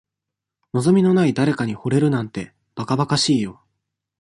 望みのない誰かに惚れるなんて、ばかばかしいよ。